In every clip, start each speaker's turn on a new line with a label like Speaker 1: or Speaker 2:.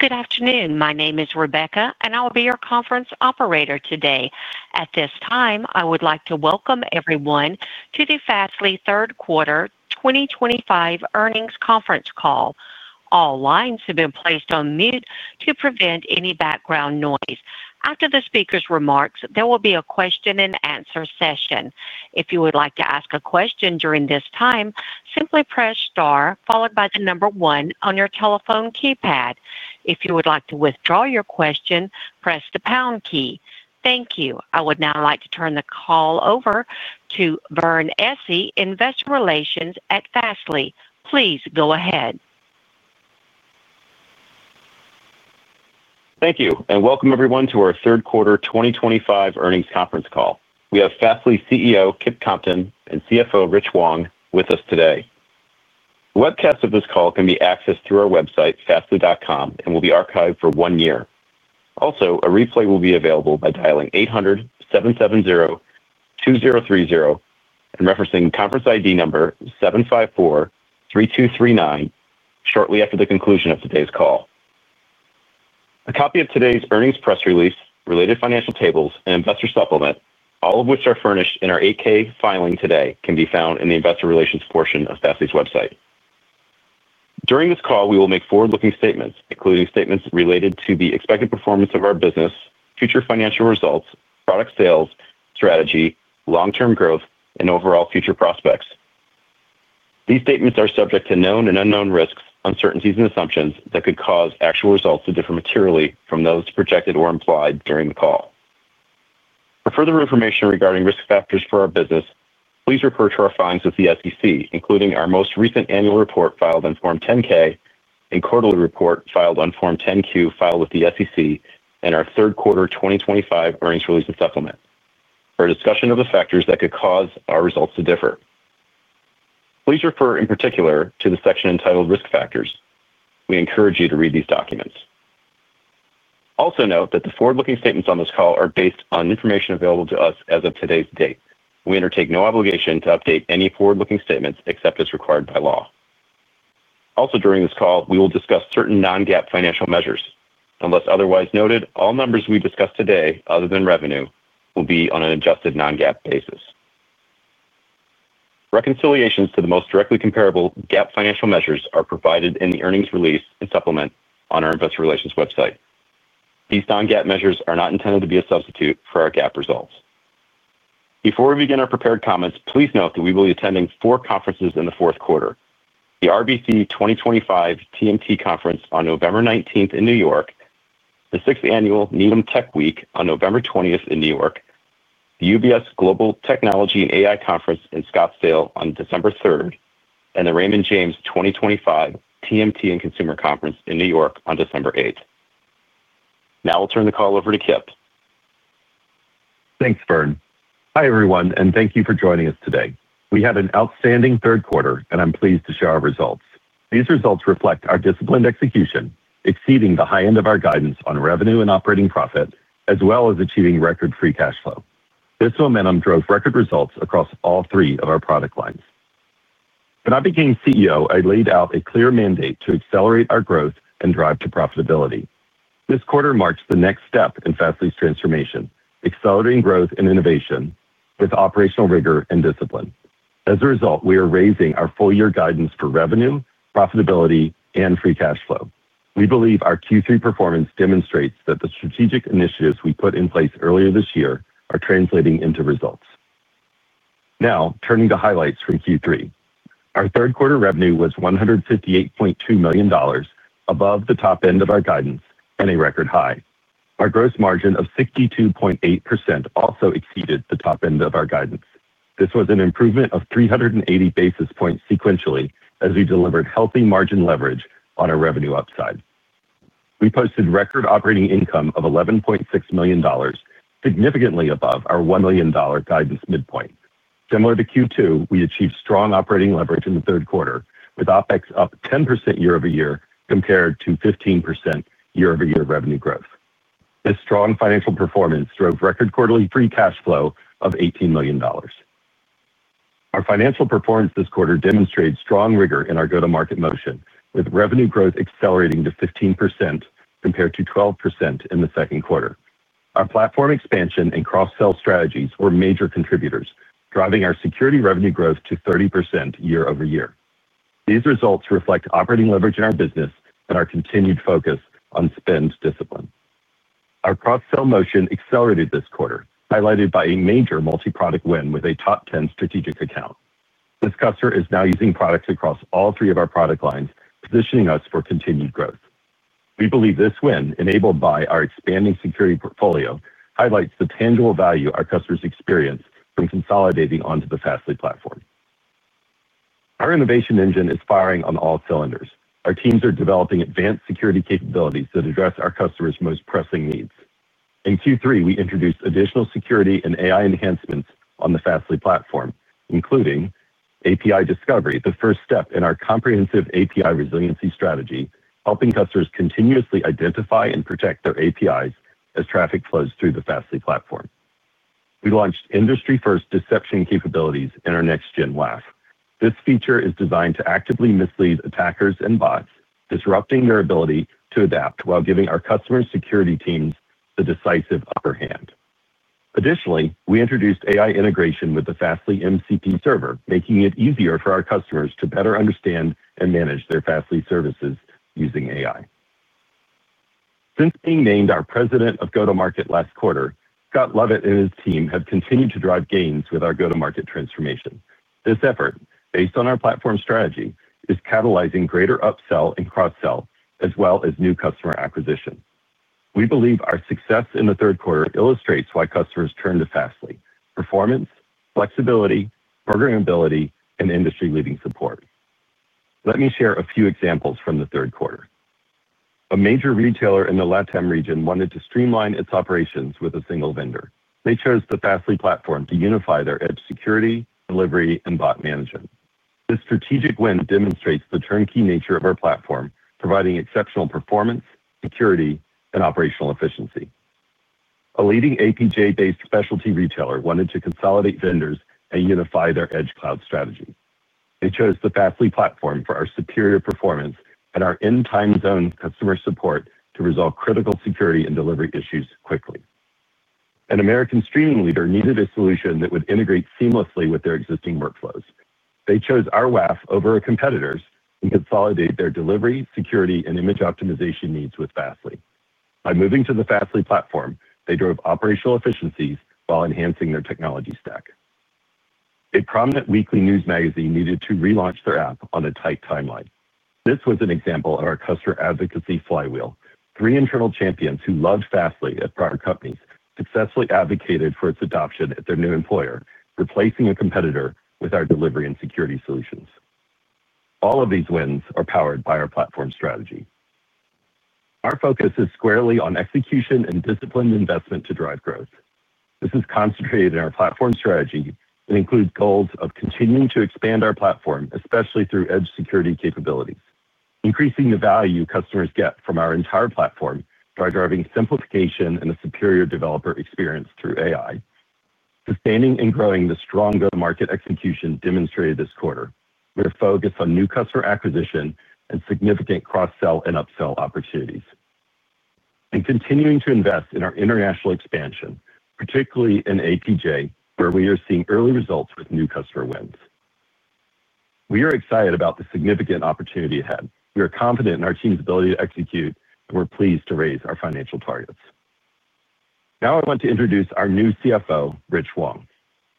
Speaker 1: Good afternoon. My name is Rebecca, and I'll be your conference operator today. At this time, I would like to welcome everyone to the Fastly third quarter 2025 earnings conference call. All lines have been placed on mute to prevent any background noise. After the speaker's remarks, there will be a question and answer session. If you would like to ask a question during this time, simply press star followed by the number one on your telephone keypad. If you would like to withdraw your question, press the pound key. Thank you. I would now like to turn the call over to Vern Essi, Investor Relations at Fastly. Please go ahead.
Speaker 2: Thank you, and welcome everyone to our third quarter 2025 earnings conference call. We have Fastly CEO Kip Compton and CFO Rich Wong with us today. The webcast of this call can be accessed through our website, fastly.com, and will be archived for one year. Also, a replay will be available by dialing 800-770-2030 and referencing conference ID number 7543239 shortly after the conclusion of today's call. A copy of today's earnings press release, related financial tables, and investor supplement, all of which are furnished in our 8-K filing today, can be found in the investor relations portion of Fastly's website. During this call, we will make forward-looking statements, including statements related to the expected performance of our business, future financial results, product sales, strategy, long-term growth, and overall future prospects. These statements are subject to known and unknown risks, uncertainties, and assumptions that could cause actual results to differ materially from those projected or implied during the call. For further information regarding risk factors for our business, please refer to our filings with the SEC, including our most recent annual report filed on Form 10-K and quarterly report filed on Form 10-Q filed with the SEC and our Third Quarter 2025 earnings release and supplement, for a discussion of the factors that could cause our results to differ. Please refer in particular to the section entitled Risk Factors. We encourage you to read these documents. Also note that the forward-looking statements on this call are based on information available to us as of today's date. We undertake no obligation to update any forward-looking statements except as required by law. Also, during this call, we will discuss certain non-GAAP financial measures. Unless otherwise noted, all numbers we discuss today, other than revenue, will be on an adjusted non-GAAP basis. Reconciliations to the most directly comparable GAAP financial measures are provided in the earnings release and supplement on our investor relations website. These non-GAAP measures are not intended to be a substitute for our GAAP results. Before we begin our prepared comments, please note that we will be attending four conferences in the fourth quarter: the RBC 2025 TMT Conference on November 19 in New York, the 6th Annual Needham Tech Week on November 20th in New York, the UBS Global Technology and AI Conference in Scottsdale on December 3rd, and the Raymond James 2025 TMT and Consumer Conference in New York on December 8th. Now I'll turn the call over to Kip.
Speaker 3: Thanks, Vern. Hi everyone, and thank you for joining us today. We had an outstanding third quarter, and I'm pleased to share our results. These results reflect our disciplined execution, exceeding the high end of our guidance on revenue and operating profit, as well as achieving record free cash flow. This momentum drove record results across all three of our product lines. When I became CEO, I laid out a clear mandate to accelerate our growth and drive to profitability. This quarter marks the next step in Fastly's transformation: accelerating growth and innovation with operational rigor and discipline. As a result, we are raising our full-year guidance for revenue, profitability, and free cash flow. We believe our Q3 performance demonstrates that the strategic initiatives we put in place earlier this year are translating into results. Now, turning to highlights from Q3. Our third quarter revenue was $158.2 million above the top end of our guidance and a record high. Our gross margin of 62.8% also exceeded the top end of our guidance. This was an improvement of 380 basis points sequentially as we delivered healthy margin leverage on a revenue upside. We posted record operating income of $11.6 million, significantly above our $1 million guidance midpoint. Similar to Q2, we achieved strong operating leverage in the third quarter, with OpEx up 10% year-over-year compared to 15% year-over-year revenue growth. This strong financial performance drove record quarterly free cash flow of $18 million. Our financial performance this quarter demonstrated strong rigor in our go-to-market motion, with revenue growth accelerating to 15% compared to 12% in the second quarter. Our platform expansion and cross-sell strategies were major contributors, driving our security revenue growth to 30% year-over-year. These results reflect operating leverage in our business and our continued focus on spend discipline. Our cross-sell motion accelerated this quarter, highlighted by a major multi-product win with a top 10 strategic account. This customer is now using products across all three of our product lines, positioning us for continued growth. We believe this win, enabled by our expanding security portfolio, highlights the tangible value our customers experience from consolidating onto the Fastly platform. Our innovation engine is firing on all cylinders. Our teams are developing advanced security capabilities that address our customers' most pressing needs. In Q3, we introduced additional security and AI enhancements on the Fastly platform, including API Discovery, the first step in our comprehensive API resiliency strategy, helping customers continuously identify and protect their APIs as traffic flows through the Fastly platform. We launched industry-first deception capabilities in our Next-Gen WAF. This feature is designed to actively mislead attackers and bots, disrupting their ability to adapt while giving our customer security teams the decisive upper hand. Additionally, we introduced AI integration with the Fastly MCP Server, making it easier for our customers to better understand and manage their Fastly services using AI. Since being named our President of Go-to-Market last quarter, Scott Lovett and his team have continued to drive gains with our go-to-market transformation. This effort, based on our platform strategy, is catalyzing greater upsell and cross-sell, as well as new customer acquisition. We believe our success in the third quarter illustrates why customers turn to Fastly: performance, flexibility, programmability, and industry-leading support. Let me share a few examples from the third quarter. A major retailer in the LATAM region wanted to streamline its operations with a single vendor. They chose the Fastly platform to unify their edge security, delivery, and bot management. This strategic win demonstrates the turnkey nature of our platform, providing exceptional performance, security, and operational efficiency. A leading APJ-based specialty retailer wanted to consolidate vendors and unify their edge cloud strategy. They chose the Fastly platform for our superior performance and our in-time zone customer support to resolve critical security and delivery issues quickly. An American streaming leader needed a solution that would integrate seamlessly with their existing workflows. They chose our WAF over our competitors and consolidated their delivery, security, and image optimization needs with Fastly. By moving to the Fastly platform, they drove operational efficiencies while enhancing their technology stack. A prominent weekly news magazine needed to relaunch their app on a tight timeline. This was an example of our customer advocacy flywheel. Three internal champions who loved Fastly at prior companies successfully advocated for its adoption at their new employer, replacing a competitor with our delivery and security solutions. All of these wins are powered by our platform strategy. Our focus is squarely on execution and disciplined investment to drive growth. This is concentrated in our platform strategy and includes goals of continuing to expand our platform, especially through edge security capabilities. Increasing the value customers get from our entire platform by driving simplification and a superior developer experience through AI. Sustaining and growing the strong go-to-market execution demonstrated this quarter, with a focus on new customer acquisition and significant cross-sell and upsell opportunities. Continuing to invest in our international expansion, particularly in APJ, where we are seeing early results with new customer wins. We are excited about the significant opportunity ahead. We are confident in our team's ability to execute, and we're pleased to raise our financial targets. Now I want to introduce our new CFO, Rich Wong.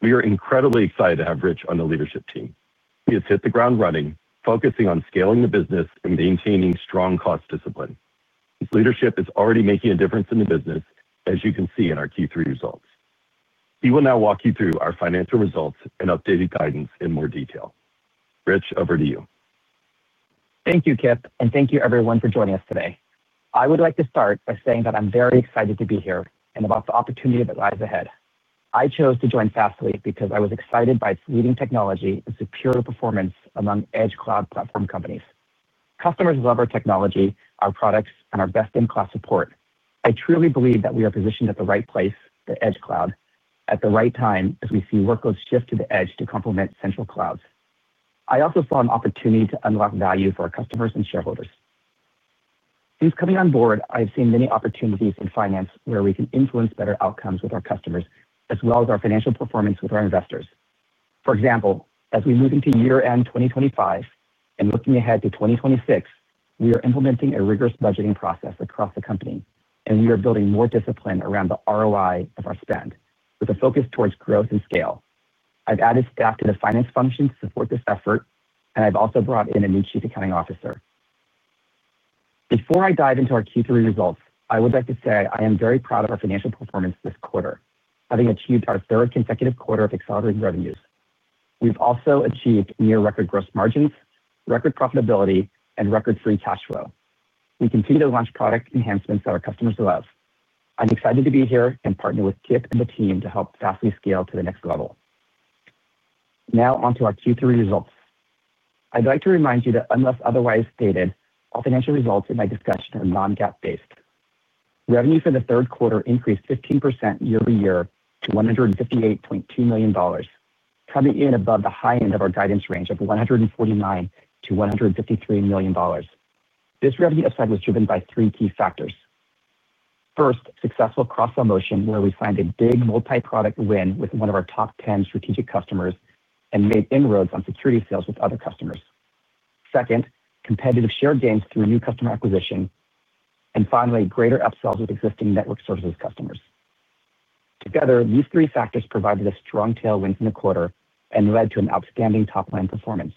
Speaker 3: We are incredibly excited to have Rich on the leadership team. He has hit the ground running, focusing on scaling the business and maintaining strong cost discipline. His leadership is already making a difference in the business, as you can see in our Q3 results. He will now walk you through our financial results and updated guidance in more detail. Rich, over to you.
Speaker 4: Thank you, Kip, and thank you, everyone, for joining us today. I would like to start by saying that I'm very excited to be here and about the opportunity that lies ahead. I chose to join Fastly because I was excited by its leading technology and superior performance among edge cloud platform companies. Customers love our technology, our products, and our best-in-class support. I truly believe that we are positioned at the right place for edge cloud at the right time as we see workloads shift to the edge to complement central clouds. I also saw an opportunity to unlock value for our customers and shareholders. Since coming on board, I've seen many opportunities in finance where we can influence better outcomes with our customers, as well as our financial performance with our investors. For example, as we move into year-end 2025 and looking ahead to 2026, we are implementing a rigorous budgeting process across the company, and we are building more discipline around the ROI of our spend, with a focus towards growth and scale. I've added staff to the finance function to support this effort, and I've also brought in a new Chief Accounting Officer. Before I dive into our Q3 results, I would like to say I am very proud of our financial performance this quarter, having achieved our third consecutive quarter of accelerating revenues. We've also achieved near-record gross margins, record profitability, and record free cash flow. We continue to launch product enhancements that our customers love. I'm excited to be here and partner with Kip and the team to help Fastly scale to the next level. Now onto our Q3 results. I'd like to remind you that, unless otherwise stated, all financial results in my discussion are non-GAAP-based. Revenue for the third quarter increased 15% year-over-year to $158.2 million, coming in above the high end of our guidance range of $149 million-$153 million. This revenue upside was driven by three key factors. First, successful cross-sell motion, where we signed a big multi-product win with one of our top 10 strategic customers and made inroads on security sales with other customers. Second, competitive share gains through new customer acquisition. Finally, greater upsells with existing network services customers. Together, these three factors provided us strong tailwinds in the quarter and led to an outstanding top-line performance.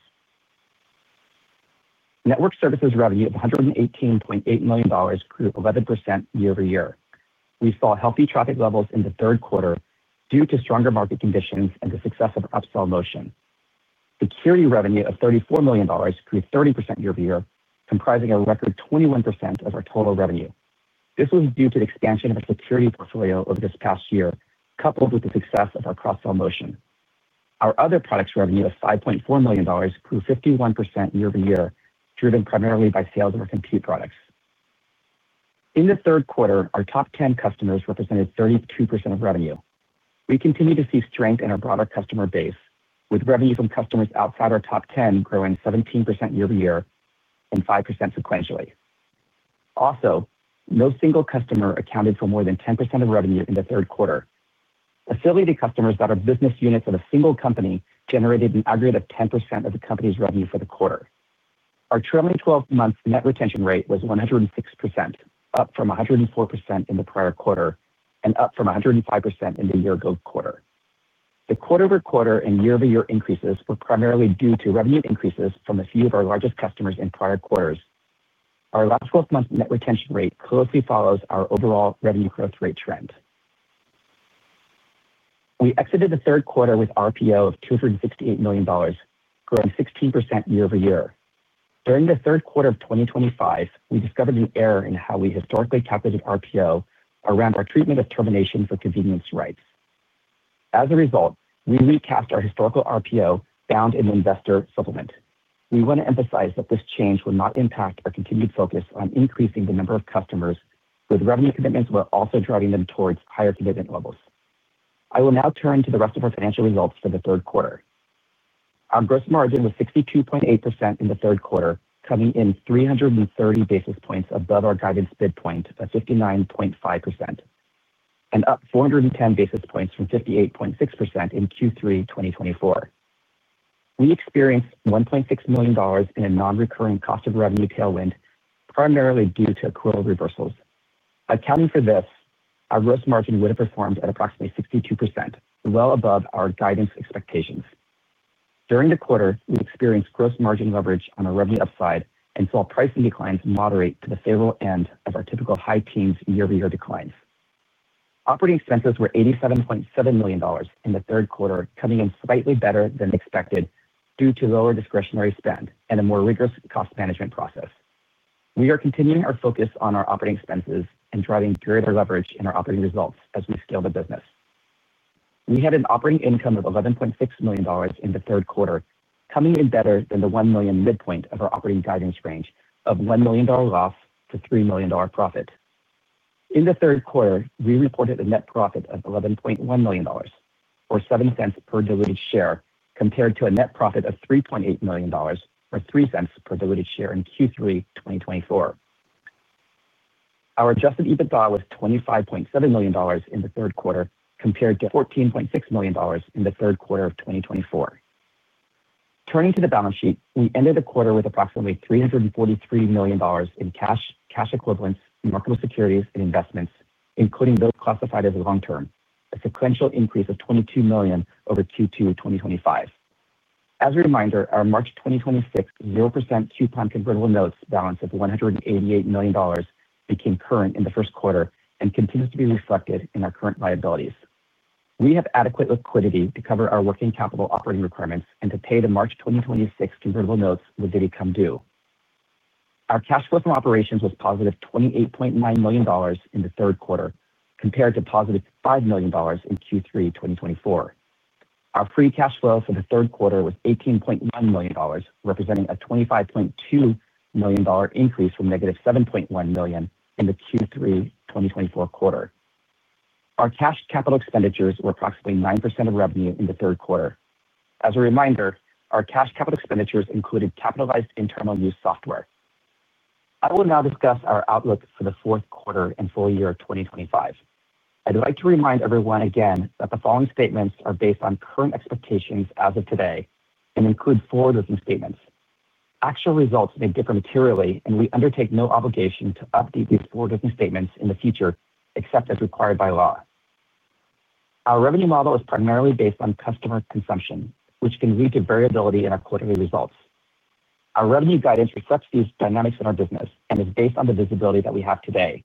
Speaker 4: Network services revenue of $118.8 million grew 11% year-over-year. We saw healthy traffic levels in the third quarter due to stronger market conditions and the success of upsell motion. Security revenue of $34 million grew 30% year-over-year, comprising a record 21% of our total revenue. This was due to the expansion of our security portfolio over this past year, coupled with the success of our cross-sell motion. Our other products revenue of $5.4 million grew 51% year-over-year, driven primarily by sales of our compute products. In the third quarter, our top 10 customers represented 32% of revenue. We continue to see strength in our broader customer base, with revenue from customers outside our top 10 growing 17% year-over-year and 5% sequentially. Also, no single customer accounted for more than 10% of revenue in the third quarter. Affiliated customers that are business units of a single company generated an aggregate of 10% of the company's revenue for the quarter. Our trailing 12-month net retention rate was 106%, up from 104% in the prior quarter and up from 105% in the year-ago quarter. The quarter-over-quarter and year-over-year increases were primarily due to revenue increases from a few of our largest customers in prior quarters. Our last 12-month net retention rate closely follows our overall revenue growth rate trend. We exited the third quarter with an RPO of $268 million, growing 16% year-over-year. During the third quarter of 2025, we discovered an error in how we historically calculated RPO around our treatment of termination for convenience rights. As a result, we recapped our historical RPO bound in the investor supplement. We want to emphasize that this change will not impact our continued focus on increasing the number of customers, with revenue commitments also driving them towards higher commitment levels. I will now turn to the rest of our financial results for the third quarter. Our gross margin was 62.8% in the third quarter, coming in 330 basis points above our guidance bid point of 59.5%. Up 410 basis points from 58.6% in Q3 2024. We experienced $1.6 million in a non-recurring cost of revenue tailwind, primarily due to accrual reversals. Accounting for this, our gross margin would have performed at approximately 62%, well above our guidance expectations. During the quarter, we experienced gross margin leverage on a revenue upside and saw pricing declines moderate to the favorable end of our typical high teens year-over-year declines. Operating expenses were $87.7 million in the third quarter, coming in slightly better than expected due to lower discretionary spend and a more rigorous cost management process. We are continuing our focus on our operating expenses and driving greater leverage in our operating results as we scale the business. We had an operating income of $11.6 million in the third quarter, coming in better than the $1 million midpoint of our operating guidance range of $1 million loss to $3 million profit. In the third quarter, we reported a net profit of $11.1 million, or $0.07 per diluted share, compared to a net profit of $3.8 million, or $0.03 per diluted share in Q3 2024. Our adjusted EBITDA was $25.7 million in the third quarter, compared to $14.6 million in the third quarter of 2024. Turning to the balance sheet, we ended the quarter with approximately $343 million in cash, cash equivalents, marketable securities, and investments, including those classified as long-term, a sequential increase of $22 million over Q2 2025. As a reminder, our March 2026 0% coupon convertible notes balance of $188 million became current in the first quarter and continues to be reflected in our current liabilities. We have adequate liquidity to cover our working capital operating requirements and to pay the March 2026 convertible notes when they come due. Our cash flow from operations was positive $28.9 million in the third quarter, compared to positive $5 million in Q3 2024. Our free cash flow for the third quarter was $18.1 million, representing a $25.2 million increase from -$7.1 million in the Q3 2024 quarter. Our cash capital expenditures were approximately 9% of revenue in the third quarter. As a reminder, our cash capital expenditures included capitalized internal use software. I will now discuss our outlook for the fourth quarter and full year of 2025. I'd like to remind everyone again that the following statements are based on current expectations as of today and include forward-looking statements. Actual results may differ materially, and we undertake no obligation to update these forward-looking statements in the future, except as required by law. Our revenue model is primarily based on customer consumption, which can lead to variability in our quarterly results. Our revenue guidance reflects these dynamics in our business and is based on the visibility that we have today.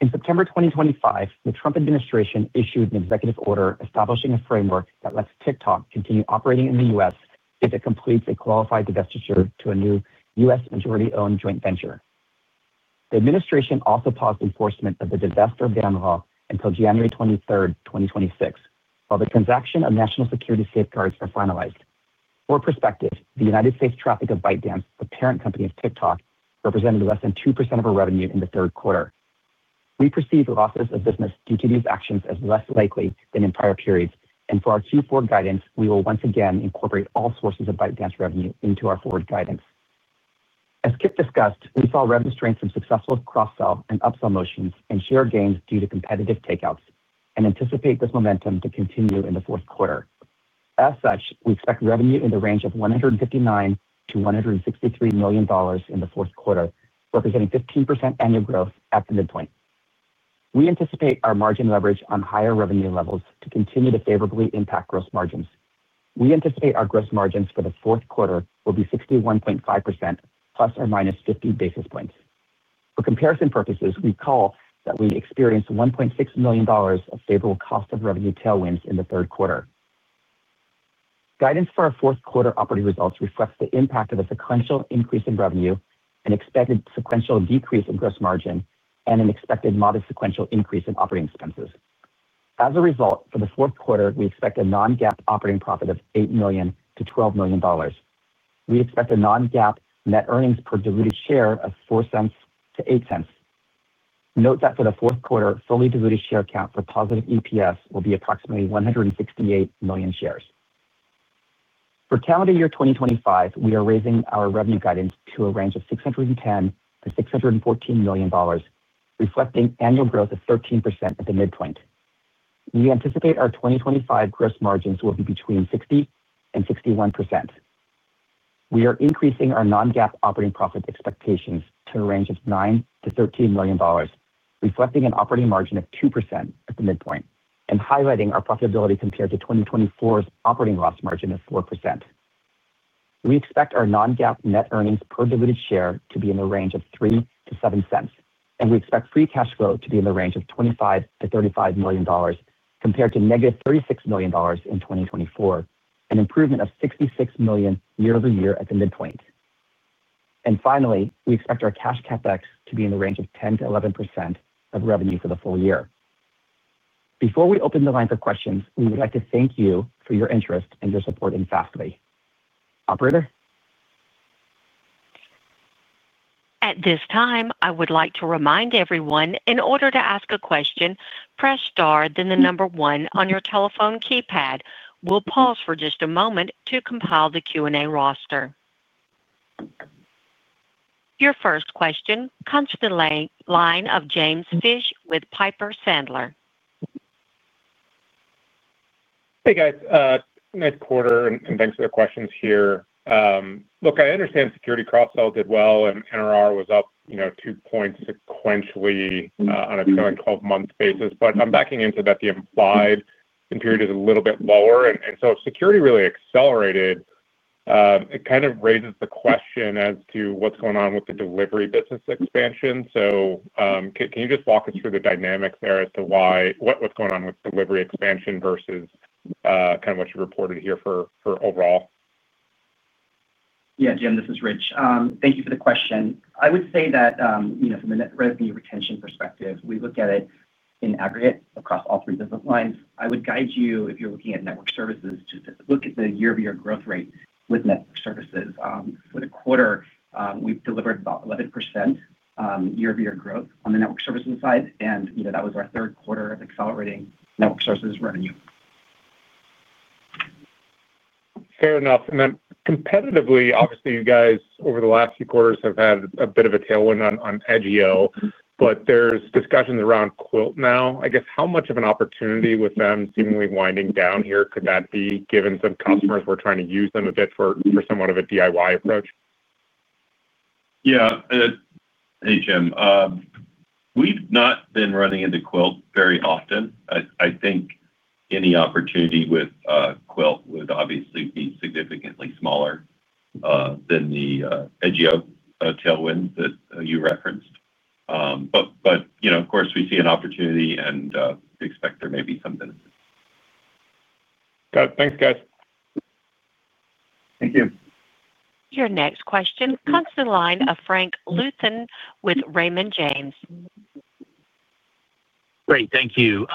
Speaker 4: In September 2025, the Trump administration issued an executive order establishing a framework that lets TikTok continue operating in the U.S. if it completes a qualified divestiture to a new U.S. majority-owned joint venture. The administration also paused enforcement of the divestiture ban law until January 23rd, 2026, while the transaction of national security safeguards were finalized. For perspective, the U.S. traffic of ByteDance, the parent company of TikTok, represented less than 2% of our revenue in the third quarter. We perceive losses of business due to these actions as less likely than in prior periods, and for our Q4 guidance, we will once again incorporate all sources of ByteDance revenue into our forward guidance. As Kip discussed, we saw revenue strains from successful cross-sell and upsell motions and share gains due to competitive takeouts and anticipate this momentum to continue in the fourth quarter. As such, we expect revenue in the range of $159 million-$163 million in the fourth quarter, representing 15% annual growth at the midpoint. We anticipate our margin leverage on higher revenue levels to continue to favorably impact gross margins. We anticipate our gross margins for the fourth quarter will be 61.5% ± 50 basis points. For comparison purposes, we call that we experienced $1.6 million of favorable cost of revenue tailwinds in the third quarter. Guidance for our fourth quarter operating results reflects the impact of a sequential increase in revenue, an expected sequential decrease in gross margin, and an expected modest sequential increase in operating expenses. As a result, for the fourth quarter, we expect a non-GAAP operating profit of $8 million-$12 million. We expect a non-GAAP net earnings per diluted share of $0.04-$0.08. Note that for the fourth quarter, fully diluted share count for positive EPS will be approximately 168 million shares. For calendar year 2025, we are raising our revenue guidance to a range of $610 million-$614 million, reflecting annual growth of 13% at the midpoint. We anticipate our 2025 gross margins will be between 60%-61%. We are increasing our non-GAAP operating profit expectations to a range of $9 million-$13 million, reflecting an operating margin of 2% at the midpoint and highlighting our profitability compared to 2024's operating loss margin of 4%. We expect our non-GAAP net earnings per diluted share to be in the range of $0.03-$0.07, and we expect free cash flow to be in the range of $25 million-$35 million, compared to negative $36 million in 2024, an improvement of $66 million year-over-year at the midpoint. Finally, we expect our cash CapEx to be in the range of 10%-11% of revenue for the full year. Before we open the line for questions, we would like to thank you for your interest and your support in Fastly. Operator?
Speaker 1: At this time, I would like to remind everyone, in order to ask a question, press star then the number one on your telephone keypad. We'll pause for just a moment to compile the Q&A roster. Your first question comes to the line of James Fish with Piper Sandler.
Speaker 5: Hey, guys. Mid-quarter, and thanks for the questions here. Look, I understand security cross-sell did well, and NRR was up two points sequentially on a 12-month basis, but I'm backing into that the implied is a little bit lower. And so if security really accelerated, it kind of raises the question as to what's going on with the delivery business expansion. Can you just walk us through the dynamics there as to what's going on with delivery expansion versus kind of what you reported here for overall?
Speaker 4: Yeah, Jim, this is Rich. Thank you for the question. I would say that. From the net revenue retention perspective, we look at it in aggregate across all three business lines. I would guide you, if you're looking at network services, to look at the year-over-year growth rate with network services. For the quarter, we've delivered about 11% year-over-year growth on the network services side, and that was our third quarter of accelerating network services revenue.
Speaker 5: Fair enough. Competitively, obviously, you guys over the last few quarters have had a bit of a tailwind on edge yield. There are discussions around Quilt now. I guess how much of an opportunity with them seemingly winding down here could that be given some customers were trying to use them a bit for somewhat of a DIY approach?
Speaker 3: Yeah. Hey, Jim. We've not been running into Quilt very often. I think any opportunity with Quilt would obviously be significantly smaller. Than the edge yield tailwind that you referenced. Of course, we see an opportunity and expect there may be some benefit.
Speaker 5: Got it. Thanks, guys.
Speaker 1: Thank you. Your next question comes to the line of Frank Luthen with Raymond James.
Speaker 6: Great. Thank you.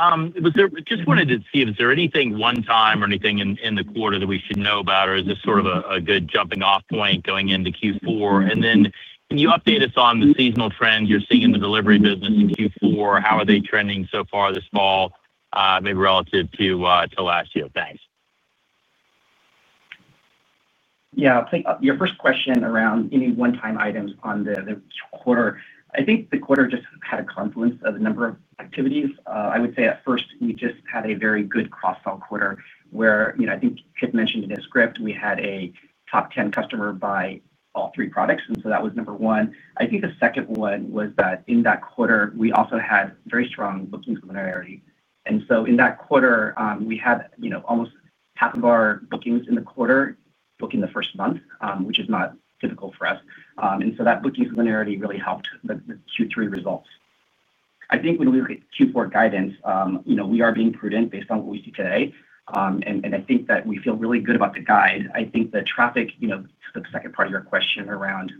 Speaker 6: Just wanted to see if there's anything one-time or anything in the quarter that we should know about, or is this sort of a good jumping-off point going into Q4? Can you update us on the seasonal trends you're seeing in the delivery business in Q4? How are they trending so far this fall, maybe relative to last year? Thanks.
Speaker 4: Yeah. Your first question around any one-time items on the quarter, I think the quarter just had a confluence of a number of activities. I would say at first, we just had a very good cross-sell quarter where I think Kip mentioned in the script we had a top 10 customer by all three products, and so that was number one. I think the second one was that in that quarter, we also had very strong bookings linearity. In that quarter, we had almost half of our bookings in the quarter booking the first month, which is not typical for us. That bookings linearity really helped the Q3 results. I think when we look at Q4 guidance, we are being prudent based on what we see today. I think that we feel really good about the guide. I think the traffic, the second part of your question around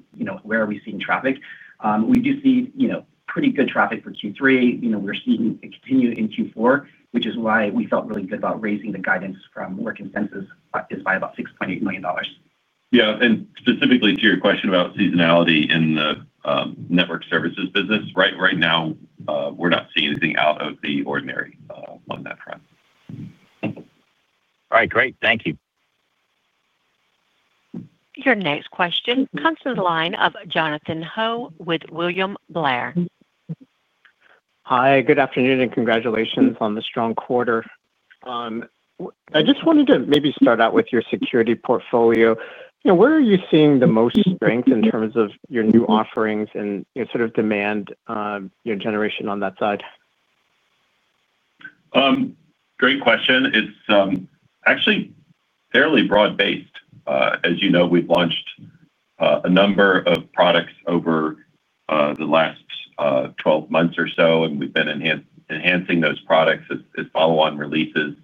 Speaker 4: where are we seeing traffic, we do see pretty good traffic for Q3. We're seeing it continue in Q4, which is why we felt really good about raising the guidance from where consensus is by about $6.8 million.
Speaker 3: Yeah. Specifically to your question about seasonality in the network services business, right now, we're not seeing anything out of the ordinary on that front.
Speaker 6: All right. Great. Thank you.
Speaker 1: Your next question comes to the line of Jonathan Ho with William Blair.
Speaker 7: Hi. Good afternoon and congratulations on the strong quarter. I just wanted to maybe start out with your security portfolio. Where are you seeing the most strength in terms of your new offerings and sort of demand generation on that side?
Speaker 3: Great question. It's actually fairly broad-based. As you know, we've launched a number of products over the last 12 months or so, and we've been enhancing those products as follow-on releases.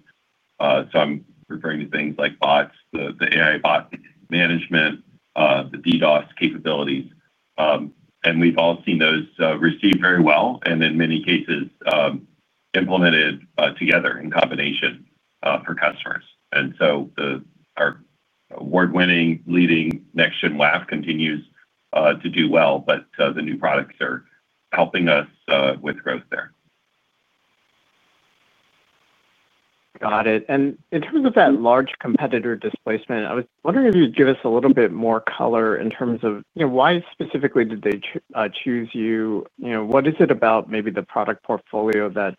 Speaker 3: I'm referring to things like bots, the AI bot management, the DDoS capabilities. We've all seen those received very well and in many cases implemented together in combination for customers. Our award-winning leading Next-Gen WAF continues to do well, but the new products are helping us with growth there.
Speaker 7: Got it. In terms of that large competitor displacement, I was wondering if you'd give us a little bit more color in terms of why specifically did they choose you. What is it about maybe the product portfolio that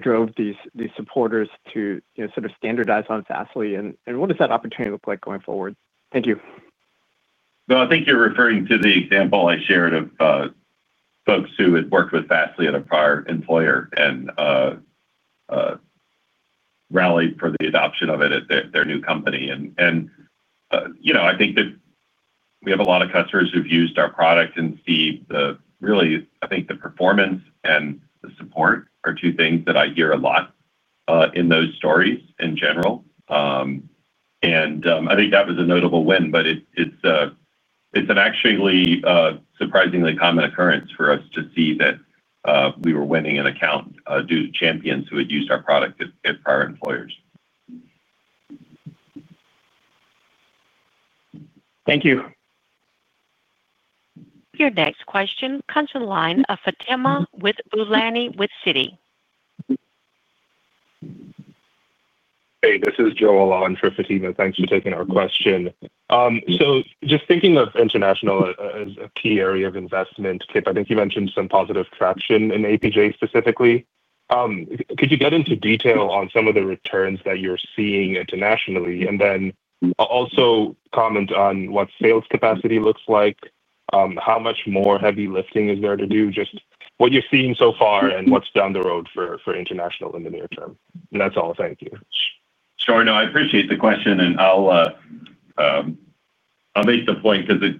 Speaker 7: drove these supporters to sort of standardize on Fastly? What does that opportunity look like going forward? Thank you.
Speaker 3: I think you're referring to the example I shared of folks who had worked with Fastly at a prior employer and rallied for the adoption of it at their new company. I think that we have a lot of customers who've used our product and see the, really, I think the performance and the support are two things that I hear a lot in those stories in general. I think that was a notable win, but it's an actually surprisingly common occurrence for us to see that we were winning an account due to champions who had used our product at prior employers.
Speaker 7: Thank you.
Speaker 1: Your next question comes to the line of Fatima Boolani with Citi. Hey, this is Joel on for Fatima. Thanks for taking our question. Just thinking of international as a key area of investment, Kip, I think you mentioned some positive traction in APJ specifically. Could you get into detail on some of the returns that you're seeing internationally? I'll also comment on what sales capacity looks like, how much more heavy lifting is there to do, just what you're seeing so far and what's down the road for international in the near term. That's all. Thank you.
Speaker 3: Sure. No, I appreciate the question. I'll make the point because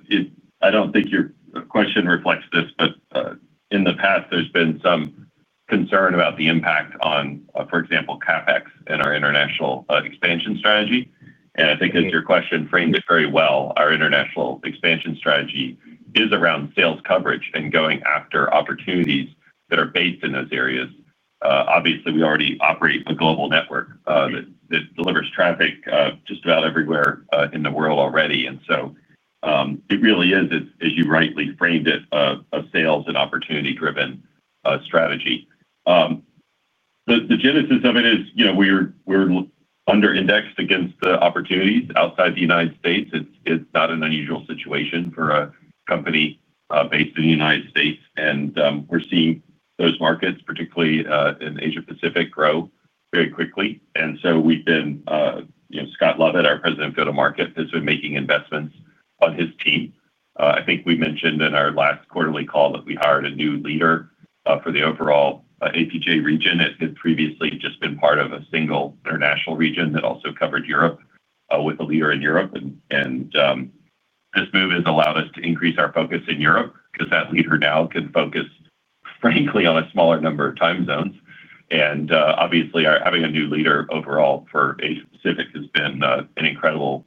Speaker 3: I don't think your question reflects this, but in the past, there's been some concern about the impact on, for example, CapEx and our international expansion strategy. I think, as your question framed it very well, our international expansion strategy is around sales coverage and going after opportunities that are based in those areas. Obviously, we already operate a global network that delivers traffic just about everywhere in the world already. It really is, as you rightly framed it, a sales and opportunity-driven strategy. The genesis of it is we're under-indexed against the opportunities outside the United States. It's not an unusual situation for a company based in the United States. We're seeing those markets, particularly in Asia-Pacific, grow very quickly. We've been, Scott Lovett, our President of Go-to-Market, has been making investments on his team. I think we mentioned in our last quarterly call that we hired a new leader for the overall APJ region. It had previously just been part of a single international region that also covered Europe with a leader in Europe. This move has allowed us to increase our focus in Europe because that leader now can focus, frankly, on a smaller number of time zones. Obviously, having a new leader overall for Asia-Pacific has been an incredible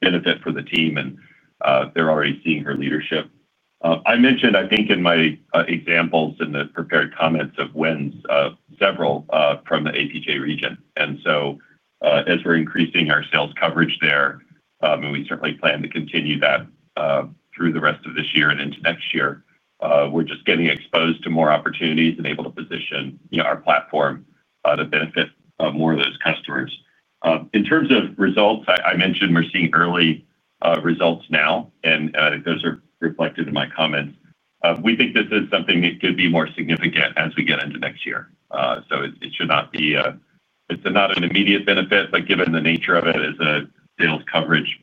Speaker 3: benefit for the team, and they're already seeing her leadership. I mentioned, I think, in my examples and the prepared comments of wins, several from the APJ region. As we are increasing our sales coverage there, and we certainly plan to continue that through the rest of this year and into next year, we are just getting exposed to more opportunities and able to position our platform to benefit more of those customers. In terms of results, I mentioned we are seeing early results now, and I think those are reflected in my comments. We think this is something that could be more significant as we get into next year. It should not be an immediate benefit, but given the nature of it as a sales coverage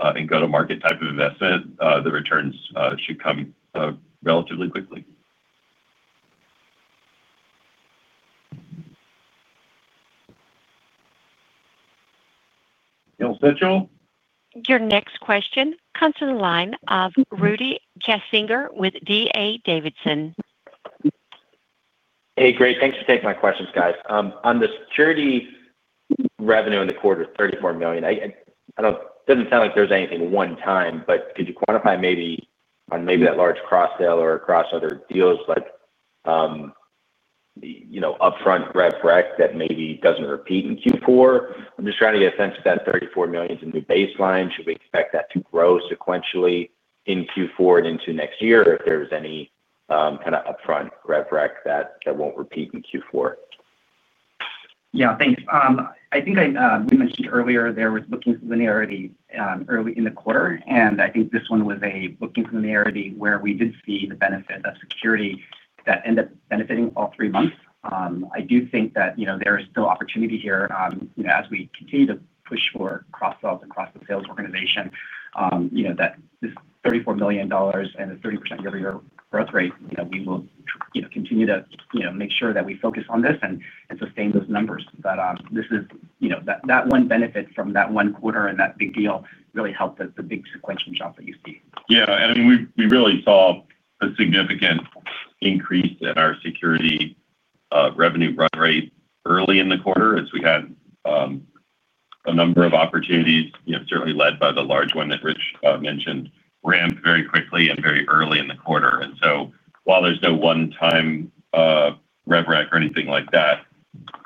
Speaker 3: and go-to-market type of investment, the returns should come relatively quickly. You all set, Joel?
Speaker 1: Your next question comes to the line of Rudy Kessinger with D.A. Davidson. Hey, great.
Speaker 8: Thanks for taking my questions, guys. On the security. Revenue in the quarter is $34 million. It doesn't sound like there's anything one-time, but could you quantify maybe on maybe that large cross-sell or across other deals, like upfront RevRec that maybe doesn't repeat in Q4? I'm just trying to get a sense of that $34 million to new baseline. Should we expect that to grow sequentially in Q4 and into next year, or if there was any kind of upfront RevRec that won't repeat in Q4?
Speaker 4: Yeah, thanks. I think we mentioned earlier there was bookings linearity early in the quarter, and I think this one was a bookings linearity where we did see the benefit of security that ended up benefiting all three months. I do think that there is still opportunity here as we continue to push for cross-sells across the sales organization. That this $34 million and the 30% year-over-year growth rate, we will continue to make sure that we focus on this and sustain those numbers. This is that one benefit from that one quarter and that big deal really helped the big sequential jump that you see.
Speaker 3: Yeah. I mean, we really saw a significant increase in our security revenue run rate early in the quarter as we had a number of opportunities, certainly led by the large one that Rich mentioned, ramped very quickly and very early in the quarter. While there is no one-time RevRec or anything like that,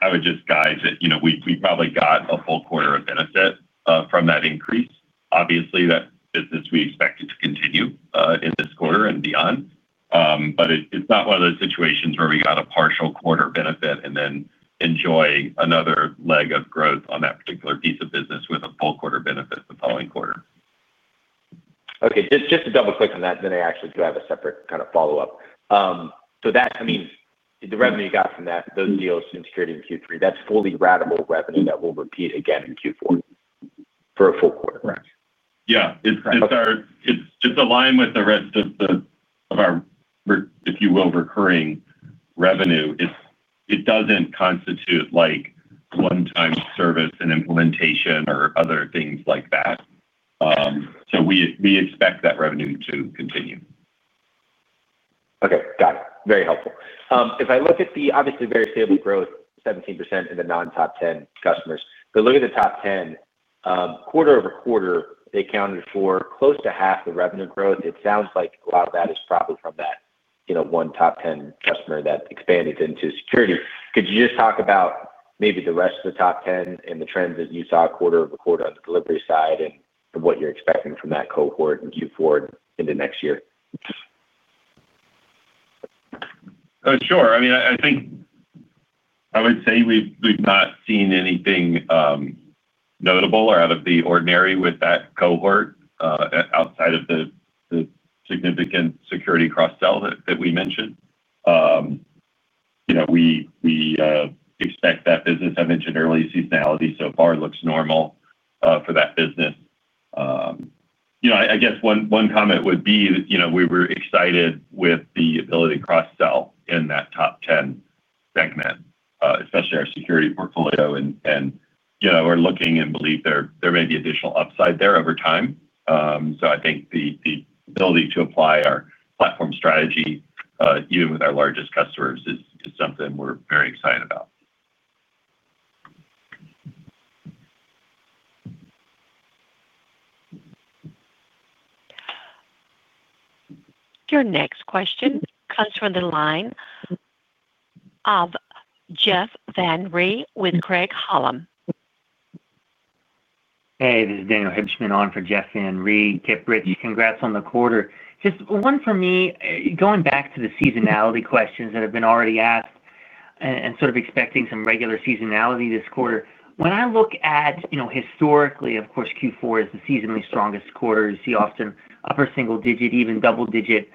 Speaker 3: I would just guide that we probably got a full quarter of benefit from that increase. Obviously, that business we expect to continue in this quarter and beyond. It is not one of those situations where we got a partial quarter benefit and then enjoy another leg of growth on that particular piece of business with a full quarter benefit the following quarter.
Speaker 8: Okay. Just to double-click on that, then I actually do have a separate kind of follow-up. That means the revenue you got from those deals in security in Q3, that is fully ratable revenue that will repeat again in Q4 for a full quarter.
Speaker 3: Yeah. It is aligned with the rest of our, if you will, recurring revenue. It does not constitute one-time service and implementation or other things like that. We expect that revenue to continue.
Speaker 8: Okay. Got it. Very helpful. If I look at the obviously very stable growth, 17% in the non-top 10 customers, but look at the top 10. Quarter-over-quarter, they accounted for close to half the revenue growth. It sounds like a lot of that is probably from that one top 10 customer that expanded into security. Could you just talk about maybe the rest of the top 10 and the trends that you saw quarter over quarter on the delivery side and what you're expecting from that cohort in Q4 into next year? Sure. I mean, I think I would say we've not seen anything notable or out of the ordinary with that cohort outside of the significant security cross-sell that we mentioned. We expect that business, I mentioned early, seasonality so far looks normal for that business. I guess one comment would be we were excited with the ability to cross-sell in that top 10 segment, especially our security portfolio. We are looking and believe there may be additional upside there over time. I think the ability to apply our platform strategy even with our largest customers is something we're very excited about.
Speaker 1: Your next question comes from the line of Jeff Van Rhee with Craig-Hallum.
Speaker 9: Hey, this is Daniel Hibshman on for Jeff Van Rhee. Kip, Rich, congrats on the quarter. Just one for me, going back to the seasonality questions that have been already asked and sort of expecting some regular seasonality this quarter, when I look at, historically, of course, Q4 is the seasonally strongest quarter. You see often upper single-digit, even double-digit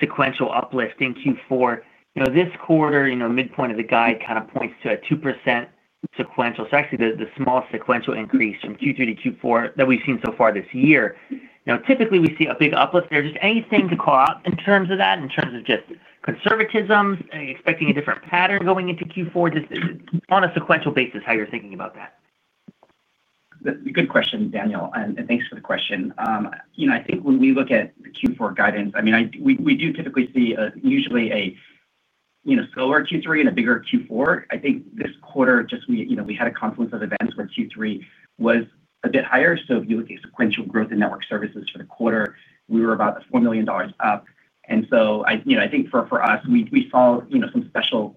Speaker 9: sequential uplift in Q4. This quarter, midpoint of the guide kind of points to a 2% sequential. Actually, the small sequential increase from Q3 to Q4 that we've seen so far this year, typically we see a big uplift. There's just anything to call out in terms of that, in terms of just conservatism, expecting a different pattern going into Q4, just on a sequential basis, how you're thinking about that.
Speaker 4: Good question, Daniel. And thanks for the question. I think when we look at the Q4 guidance, I mean, we do typically see usually a slower Q3 and a bigger Q4. I think this quarter, just we had a confluence of events where Q3 was a bit higher. If you look at sequential growth in network services for the quarter, we were about $4 million up. I think for us, we saw some special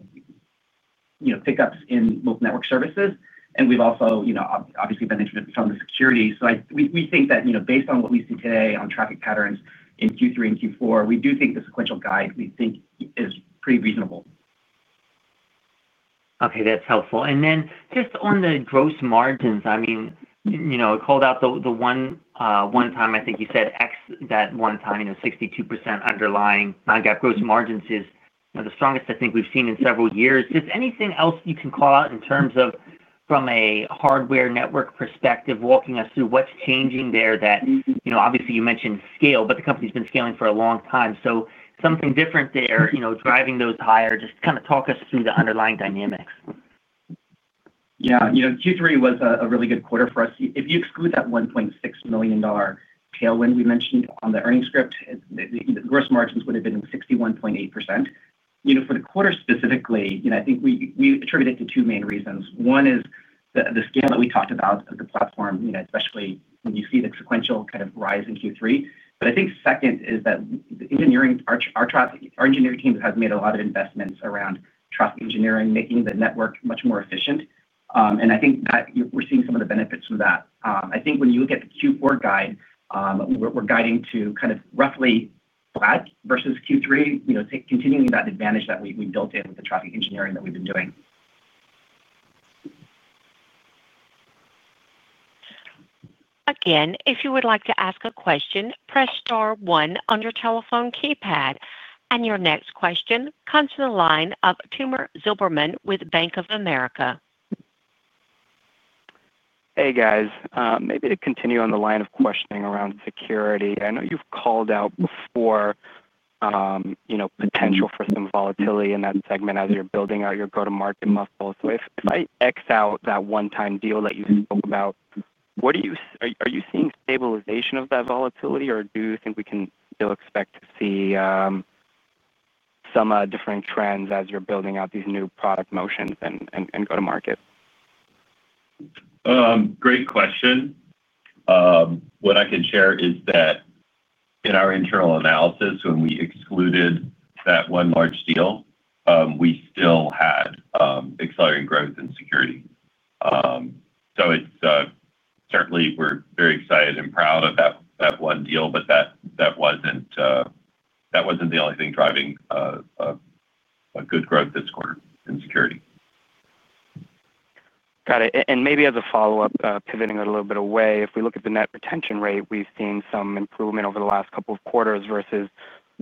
Speaker 4: pickups in both network services. We've also obviously benefited from the security. We think that based on what we see today on traffic patterns in Q3 and Q4, we do think the sequential guide we think is pretty reasonable.
Speaker 9: Okay. That's helpful. And then just on the gross margins, I mean. I called out the one time. I think you said, exclude that one time, 62% underlying non-GAAP gross margins is the strongest I think we've seen in several years. Just anything else you can call out in terms of from a hardware network perspective, walking us through what's changing there that obviously you mentioned scale, but the company's been scaling for a long time. Something different there, driving those higher, just kind of talk us through the underlying dynamics.
Speaker 4: Yeah. Q3 was a really good quarter for us. If you exclude that $1.6 million tailwind we mentioned on the earnings script, the gross margins would have been 61.8%. For the quarter specifically, I think we attribute it to two main reasons. One is the scale that we talked about of the platform, especially when you see the sequential kind of rise in Q3. I think second is that our engineering team has made a lot of investments around trust engineering, making the network much more efficient. I think that we're seeing some of the benefits from that. I think when you look at the Q4 guide, we're guiding to kind of roughly flat versus Q3, continuing that advantage that we built in with the traffic engineering that we've been doing.
Speaker 1: Again, if you would like to ask a question, press star one on your telephone keypad. Your next question comes to the line of Tomer Zilberman with Bank of America.
Speaker 10: Hey, guys. Maybe to continue on the line of questioning around security, I know you've called out before. Potential for some volatility in that segment as you're building out your go-to-market muscle. If I X out that one-time deal that you spoke about, are you seeing stabilization of that volatility, or do you think we can still expect to see some different trends as you're building out these new product motions and go-to-market?
Speaker 3: Great question. What I can share is that in our internal analysis, when we excluded that one large deal, we still had accelerating growth in security. Certainly, we're very excited and proud of that one deal, but that wasn't the only thing driving good growth this quarter in security.
Speaker 10: Got it. Maybe as a follow-up, pivoting a little bit away, if we look at the net retention rate, we've seen some improvement over the last couple of quarters versus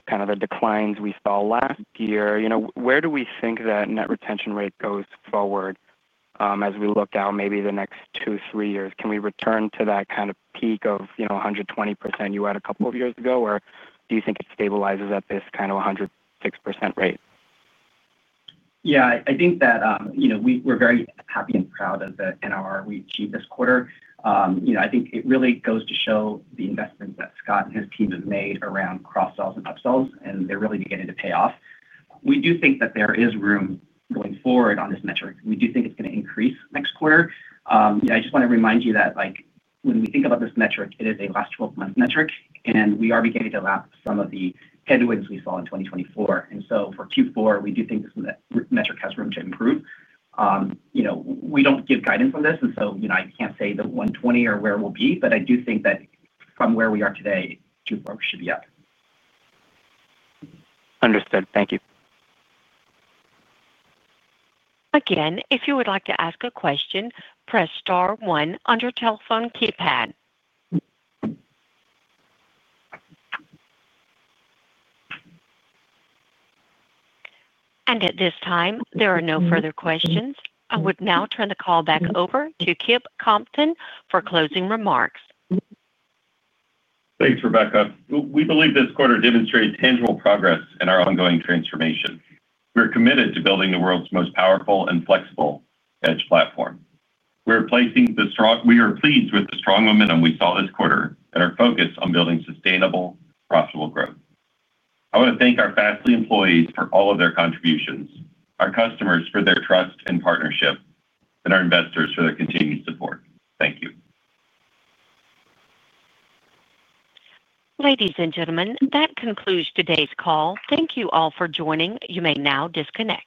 Speaker 10: kind of the declines we saw last year. Where do we think that net retention rate goes forward? As we look down maybe the next two, three years, can we return to that kind of peak of 120% you had a couple of years ago, or do you think it stabilizes at this kind of 106% rate?
Speaker 4: Yeah, I think that we're very happy and proud of the NRR we achieved this quarter. I think it really goes to show the investment that Scott and his team have made around cross-sells and up-sells, and they're really beginning to pay off. We do think that there is room going forward on this metric. We do think it's going to increase next quarter. I just want to remind you that when we think about this metric, it is a last 12-month metric, and we are beginning to wrap some of the headwinds we saw in 2024. For Q4, we do think this metric has room to improve. We do not give guidance on this, and so I cannot say the 120 or where we will be, but I do think that from where we are today, Q4 should be up.
Speaker 10: Understood. Thank you.
Speaker 1: Again, if you would like to ask a question, press star one on your telephone keypad. At this time, there are no further questions. I would now turn the call back over to Kip Compton for closing remarks.
Speaker 3: Thanks, Rebecca. We believe this quarter demonstrates tangible progress in our ongoing transformation. We are committed to building the world's most powerful and flexible edge platform. We are pleased with the strong momentum we saw this quarter and our focus on building sustainable, profitable growth. I want to thank our Fastly employees for all of their contributions, our customers for their trust and partnership, and our investors for their continued support. Thank you.
Speaker 1: Ladies and gentlemen, that concludes today's call. Thank you all for joining. You may now disconnect.